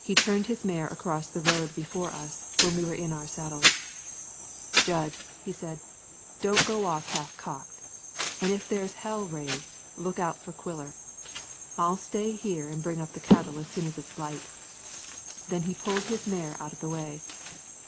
He turned his mare across the road before us when we were in our saddles. "Jud," he said, "don't go off half cocked. An' if there's hell raised, look out for Quiller. I'll stay here an' bring up the cattle as soon as it's light." Then he pulled his mare out of the way.